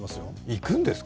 行くんですか？